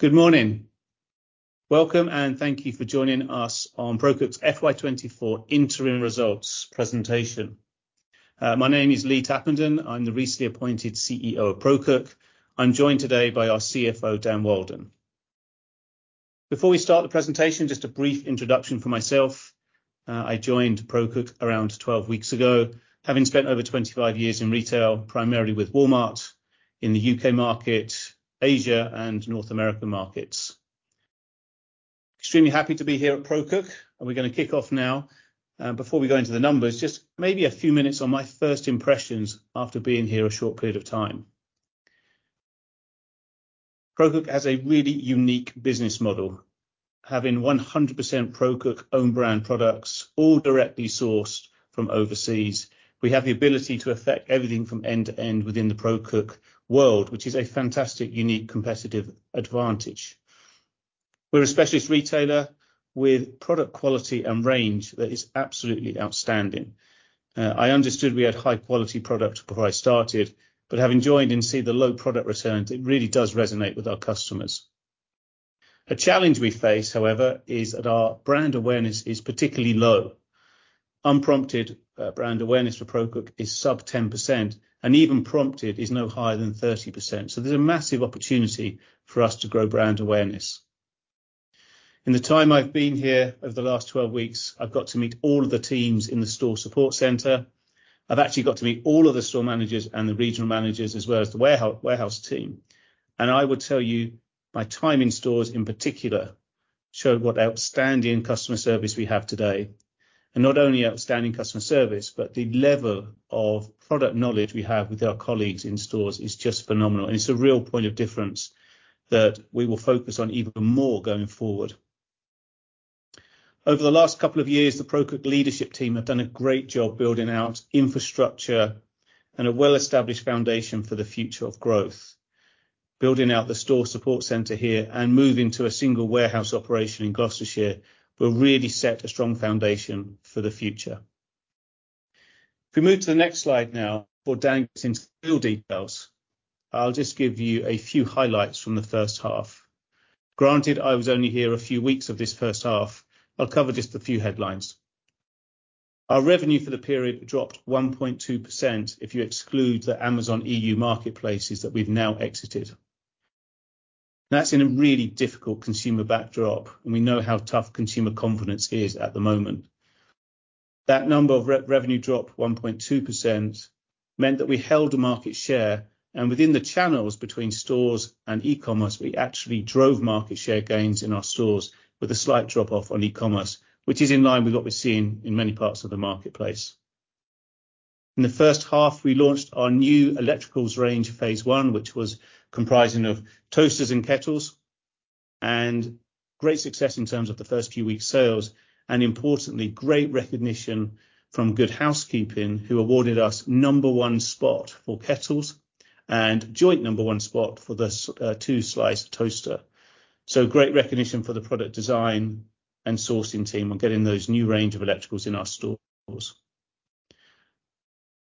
Good morning. Welcome and thank you for joining us on ProCook's FY 2024 interim results presentation. My name is Lee Tappenden. I'm the recently appointed CEO of ProCook. I'm joined today by our CFO, Dan Walden. Before we start the presentation, just a brief introduction for myself. I joined ProCook around 12 weeks ago, having spent over 25 years in retail, primarily with Walmart in the U.K. market, Asia, and North American markets. Extremely happy to be here at ProCook. We're going to kick off now. Before we go into the numbers, just maybe a few minutes on my first impressions after being here a short period of time. ProCook has a really unique business model. Having 100% ProCook own brand products all directly sourced from overseas, we have the ability to affect everything from end to end within the ProCook world, which is a fantastic, unique competitive advantage. We're a specialist retailer with product quality and range that is absolutely outstanding. I understood we had high quality product before I started, but having joined and seen the low product returns, it really does resonate with our customers. A challenge we face, however, is that our brand awareness is particularly low. Unprompted brand awareness for ProCook is sub 10%, and even prompted is no higher than 30%, so there's a massive opportunity for us to grow brand awareness. In the time I've been here, over the last 12 weeks, I've got to meet all of the teams in the store support center. I've actually got to meet all of the store managers and the regional managers, as well as the warehouse team. I would tell you my time in stores in particular showed what outstanding customer service we have today. Not only outstanding customer service, but the level of product knowledge we have with our colleagues in stores is just phenomenal, and it's a real point of difference that we will focus on even more going forward. Over the last couple of years, the ProCook leadership team have done a great job building out infrastructure and a well-established foundation for the future of growth. Building out the store support center here and moving to a single warehouse operation in Gloucestershire will really set a strong foundation for the future. If we move to the next slide now, before Dan gets into the real details, I'll just give you a few highlights from the first half. Granted, I was only here a few weeks of this first half. I'll cover just a few headlines. Our revenue for the period dropped 1.2% if you exclude the Amazon EU marketplaces that we've now exited. That's in a really difficult consumer backdrop. We know how tough consumer confidence is at the moment. That number of revenue dropped 1.2%, meant that we held a market share. Within the channels between stores and e-commerce, we actually drove market share gains in our stores with a slight drop-off on e-commerce, which is in line with what we're seeing in many parts of the marketplace. In the first half, we launched our new electricals range, phase 1, which was comprising of toasters and kettles, and great success in terms of the first few weeks' sales, and importantly, great recognition from Good Housekeeping, who awarded us number 1 spot for kettles and joint number 1 spot for the two-slice toaster. Great recognition for the product design and sourcing team on getting those new range of electricals in our stores.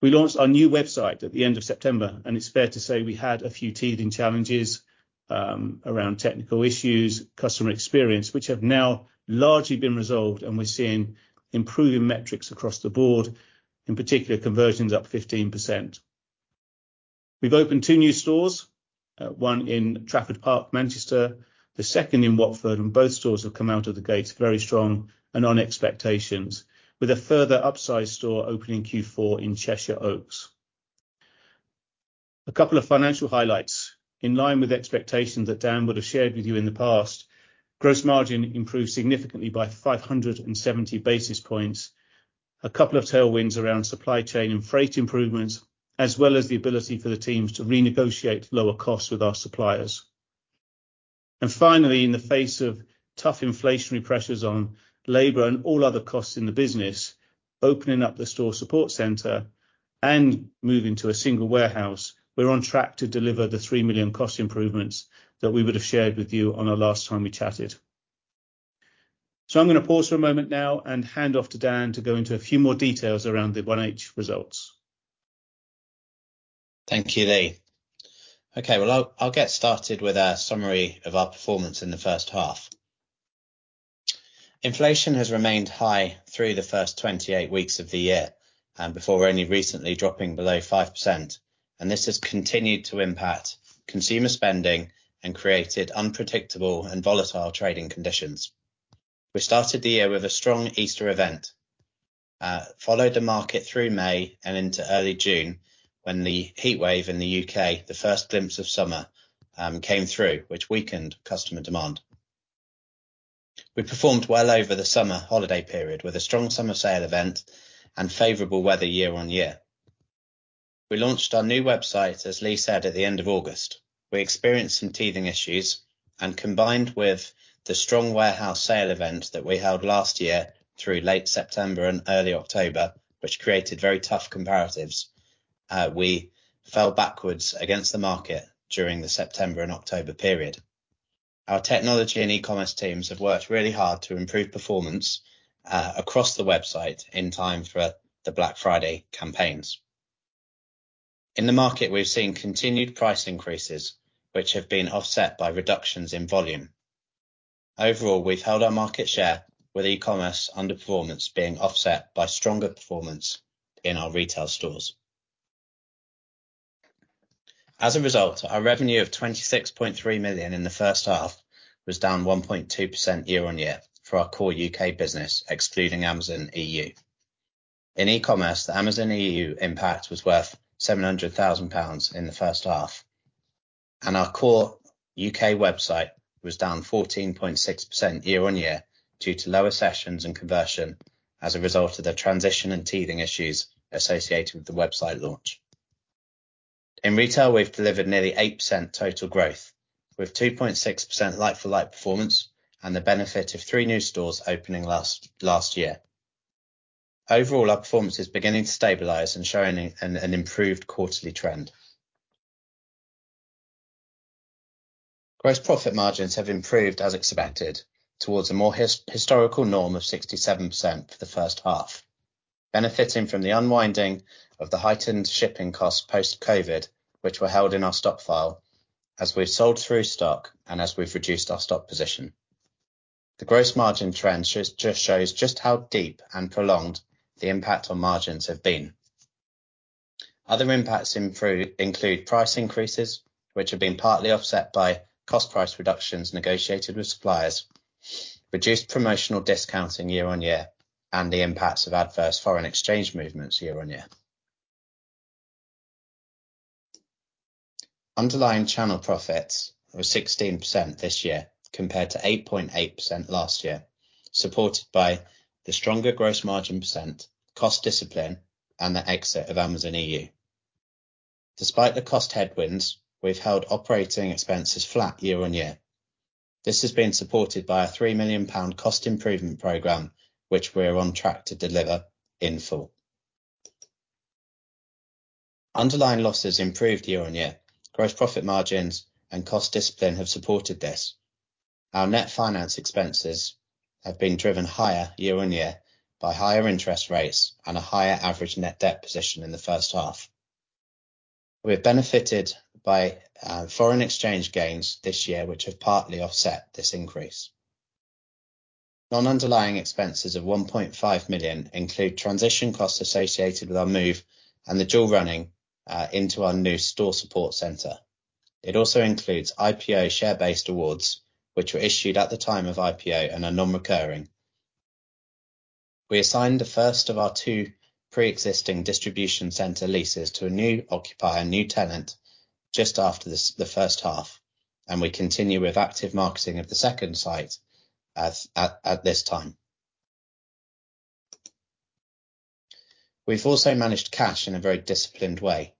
We launched our new website at the end of September, and it's fair to say we had a few teething challenges around technical issues, customer experience, which have now largely been resolved and we're seeing improving metrics across the board. In particular, conversions up 15%. We've opened two new stores, one in Trafford Park, Manchester, the second in Watford, and both stores have come out of the gates very strong and on expectations, with a further upsize store opening Q4 in Cheshire Oaks. A couple of financial highlights. In line with the expectations that Dan would have shared with you in the past, gross margin improved significantly by 570 basis points. A couple of tailwinds around supply chain and freight improvements, as well as the ability for the teams to renegotiate lower costs with our suppliers. Finally, in the face of tough inflationary pressures on labor and all other costs in the business, opening up the store support center and moving to a single warehouse, we're on track to deliver the 3 million cost improvements that we would have shared with you on our last time we chatted. I'm going to pause for a moment now and hand off to Dan to go into a few more details around the H1 results. Thank you, Lee. Okay. I'll get started with a summary of our performance in the first half. Inflation has remained high through the first 28 weeks of the year, before only recently dropping below 5%, and this has continued to impact consumer spending and created unpredictable and volatile trading conditions. We started the year with a strong Easter event, followed the market through May and into early June when the heatwave in the U.K., the first glimpse of summer, came through, which weakened customer demand. We performed well over the summer holiday period with a strong summer sale event and favorable weather year-on-year. We launched our new website, as Lee said, at the end of August. We experienced some teething issues and, combined with the strong warehouse sale event that we held last year through late September and early October, which created very tough comparatives, we fell backwards against the market during the September and October period. Our technology and e-commerce teams have worked really hard to improve performance across the website in time for the Black Friday campaigns. In the market, we've seen continued price increases, which have been offset by reductions in volume. Overall, we've held our market share with e-commerce underperformance being offset by stronger performance in our retail stores. As a result, our revenue of 26.3 million in the first half was down 1.2% year-on-year for our core U.K. business, excluding Amazon EU. In e-commerce, the Amazon EU impact was worth 700,000 pounds in the first half. Our core U.K. website was down 14.6% year-on-year due to lower sessions and conversion as a result of the transition and teething issues associated with the website launch. In retail, we've delivered nearly 8% total growth, with 2.6% like for like performance and the benefit of three new stores opening last year. Overall, our performance is beginning to stabilize and showing an improved quarterly trend. Gross profit margins have improved as expected towards a more historical norm of 67% for the first half, benefiting from the unwinding of the heightened shipping costs post-COVID, which were held in our stock file as we've sold through stock and as we've reduced our stock position. The gross margin trend shows just how deep and prolonged the impact on margins have been. Other impacts include price increases, which have been partly offset by cost price reductions negotiated with suppliers, reduced promotional discounting year-on-year, and the impacts of adverse foreign exchange movements year-on-year. Underlying channel profits were 16% this year, compared to 8.8% last year, supported by the stronger gross margin percent, cost discipline, and the exit of Amazon EU. Despite the cost headwinds, we've held operating expenses flat year-on-year. This has been supported by a 3 million pound cost improvement program, which we're on track to deliver in full. Underlying losses improved year-on-year. Gross profit margins and cost discipline have supported this. Our net finance expenses have been driven higher year-on-year by higher interest rates and a higher average net debt position in the first half. We have benefited by foreign exchange gains this year, which have partly offset this increase. Non-underlying expenses of 1.5 million include transition costs associated with our move and the dual running into our new store support center. It also includes IPO share-based awards, which were issued at the time of IPO and are non-recurring. We assigned the first of our two preexisting distribution center leases to a new occupier, new tenant, just after the first half. We continue with active marketing of the second site at this time. We've also managed cash in a very disciplined way.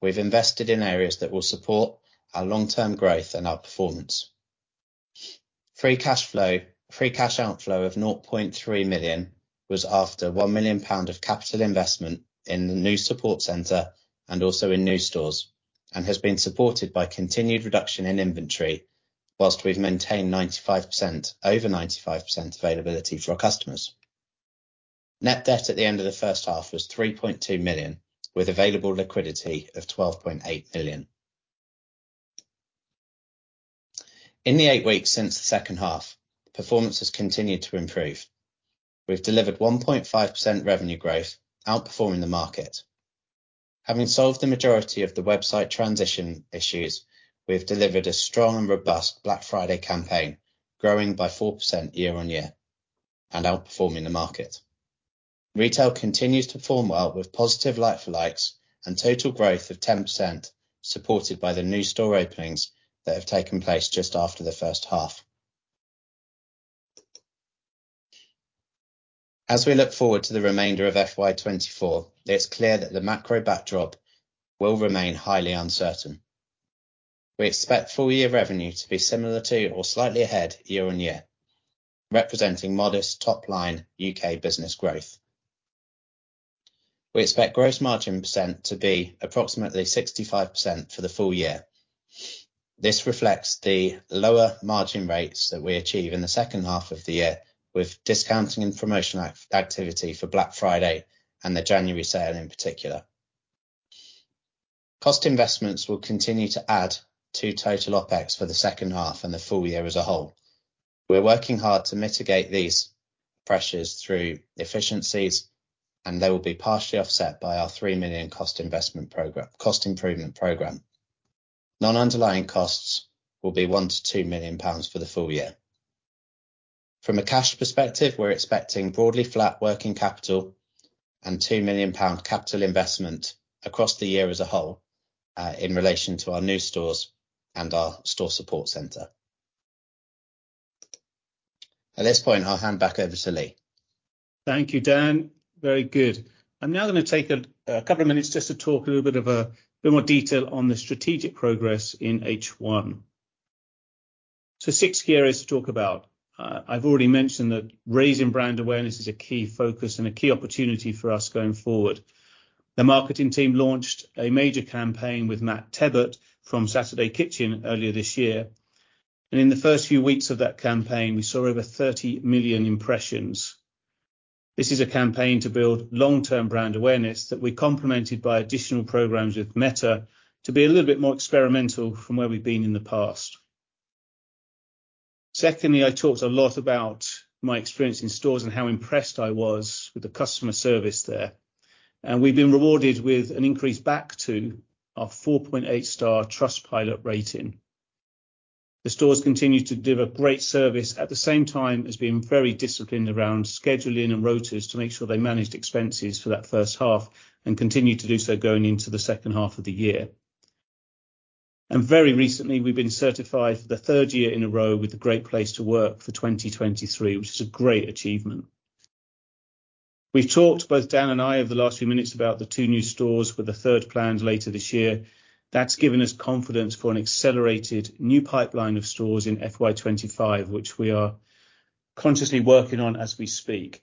We've invested in areas that will support our long term growth and our performance. Free cash outflow of 0.3 million was after 1 million pound of capital investment in the new support center and also in new stores. It has been supported by continued reduction in inventory, whilst we've maintained over 95% availability for our customers. Net debt at the end of the first half was 3.2 million, with available liquidity of 12.8 million. In the eight weeks since the second half, performance has continued to improve. We've delivered 1.5% revenue growth, outperforming the market. Having solved the majority of the website transition issues, we have delivered a strong and robust Black Friday campaign, growing by 4% year-on-year and outperforming the market. Retail continues to perform well, with positive like for likes and total growth of 10%, supported by the new store openings that have taken place just after the first half. As we look forward to the remainder of FY 2024, it's clear that the macro backdrop will remain highly uncertain. We expect full year revenue to be similar to or slightly ahead year-on-year, representing modest top line U.K. business growth. We expect gross margin percent to be approximately 65% for the full year. This reflects the lower margin rates that we achieve in the second half of the year with discounting and promotion activity for Black Friday and the January sale in particular. Cost investments will continue to add to total OPEX for the second half and the full year as a whole. We're working hard to mitigate these pressures through efficiencies, and they will be partially offset by our 3 million cost improvement program. Non-underlying costs will be 1 million-2 million pounds for the full year. From a cash perspective, we're expecting broadly flat working capital and 2 million pound capital investment across the year as a whole in relation to our new stores and our store support center. At this point, I'll hand back over to Lee. Thank you, Dan. Very good. I'm now going to take a couple of minutes just to talk a bit more detail on the strategic progress in H1. So six key areas to talk about. I've already mentioned that raising brand awareness is a key focus and a key opportunity for us going forward. The marketing team launched a major campaign with Matt Tebbutt from Saturday Kitchen earlier this year. In the first few weeks of that campaign, we saw over 30 million impressions. This is a campaign to build long-term brand awareness that we complemented by additional programs with Meta to be a little bit more experimental from where we've been in the past. Secondly, I talked a lot about my experience in stores and how impressed I was with the customer service there, and we've been rewarded with an increase back to our 4.8-star Trustpilot rating. The stores continue to deliver great service at the same time as being very disciplined around scheduling and rotas to make sure they managed expenses for that first half, and continue to do so going into the second half of the year. Very recently, we've been certified for the third year in a row with a Great Place to Work for 2023, which is a great achievement. We've talked, both Dan and I, over the last few minutes about the two new stores with a third planned later this year. That's given us confidence for an accelerated new pipeline of stores in FY 2025, which we are consciously working on as we speak.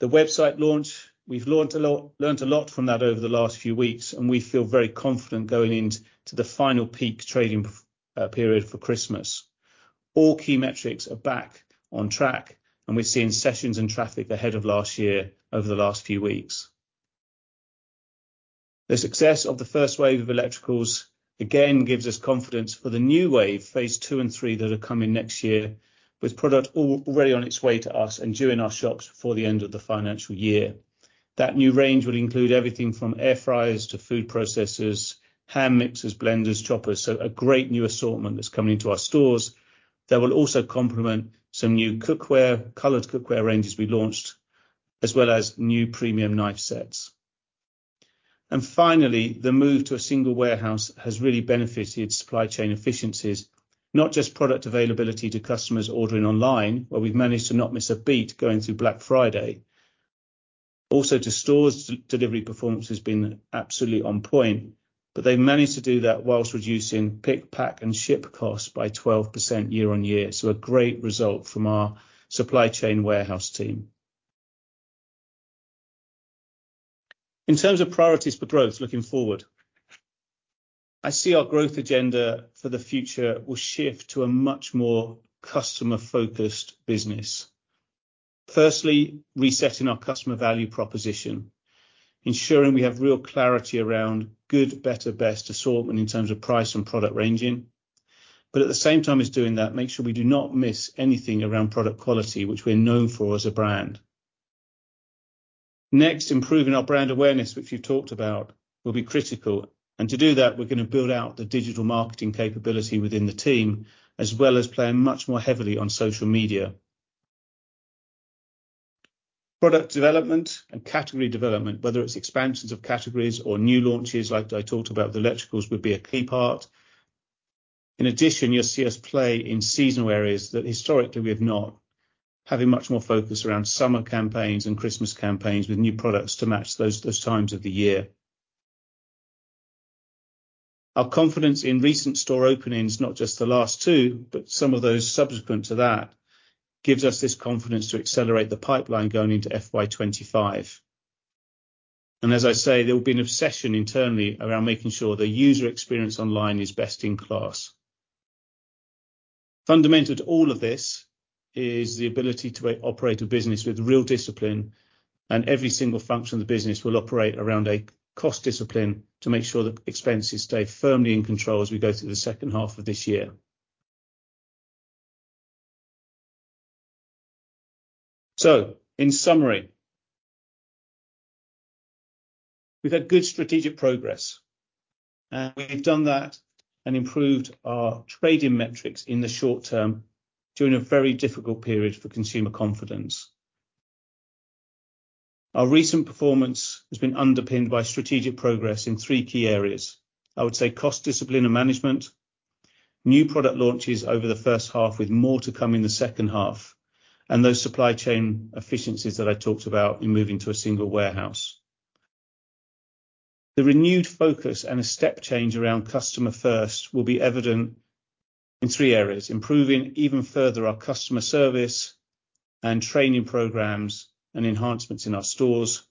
The website launch, we've learned a lot from that over the last few weeks, and we feel very confident going into the final peak trading period for Christmas. All key metrics are back on track, and we've seen sessions and traffic ahead of last year over the last few weeks. The success of the first wave of electricals, again, gives us confidence for the new wave, phase two and three, that are coming next year with product already on its way to us and due in our shops before the end of the financial year. That new range will include everything from air fryers to food processors, hand mixers, blenders, choppers. A great new assortment that's coming into our stores that will also complement some new cookware, colored cookware ranges we launched, as well as new premium knife sets. Finally, the move to a single warehouse has really benefited supply chain efficiencies. Not just product availability to customers ordering online, where we've managed to not miss a beat going through Black Friday, also to stores delivery performance has been absolutely on point. They've managed to do that whilst reducing pick, pack, and ship costs by 12% year on year. A great result from our supply chain warehouse team. In terms of priorities for growth looking forward, I see our growth agenda for the future will shift to a much more customer-focused business. Firstly, resetting our customer value proposition, ensuring we have real clarity around good, better, best assortment in terms of price and product ranging. At the same time as doing that, make sure we do not miss anything around product quality, which we're known for as a brand. Next, improving our brand awareness, which we've talked about, will be critical. To do that, we're going to build out the digital marketing capability within the team, as well as playing much more heavily on social media. Product development and category development, whether it's expansions of categories or new launches like I talked about with electricals, would be a key part. In addition, you'll see us play in seasonal areas that historically we have not, having much more focus around summer campaigns and Christmas campaigns with new products to match those times of the year. Our confidence in recent store openings, not just the last two, but some of those subsequent to that, gives us this confidence to accelerate the pipeline going into FY 2025. As I say, there will be an obsession internally around making sure the user experience online is best in class. Fundamental to all of this is the ability to operate a business with real discipline. Every single function of the business will operate around a cost discipline to make sure that expenses stay firmly in control as we go through the second half of this year. In summary, we've had good strategic progress. We've done that and improved our trading metrics in the short term during a very difficult period for consumer confidence. Our recent performance has been underpinned by strategic progress in three key areas. I would say cost discipline and management, new product launches over the first half with more to come in the second half, and those supply chain efficiencies that I talked about in moving to a single warehouse. The renewed focus and a step change around customer first will be evident in three areas. Improving, even further, our customer service and training programs and enhancements in our stores,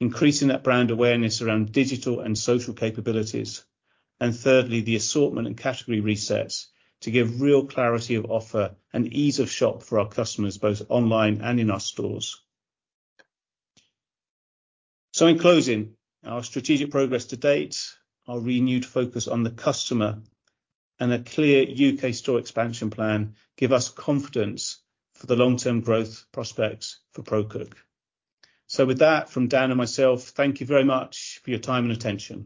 increasing that brand awareness around digital and social capabilities, and thirdly, the assortment and category resets to give real clarity of offer and ease of shop for our customers, both online and in our stores. In closing, our strategic progress to date, our renewed focus on the customer, and a clear U.K. store expansion plan give us confidence for the long-term growth prospects for ProCook. With that, from Dan and myself, thank you very much for your time and attention.